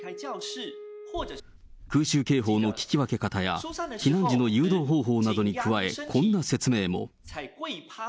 空襲警報の聞き分け方や、避難時の誘導方法などに加え、こんな説明も。